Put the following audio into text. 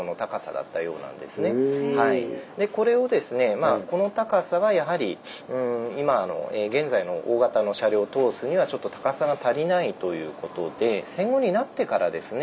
まあこの高さがやはり現在の大型の車両を通すにはちょっと高さが足りないということで戦後になってからですね